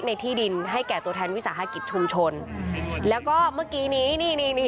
ที่ดินให้แก่ตัวแทนวิสาหกิจชุมชนแล้วก็เมื่อกี้นี้นี่นี่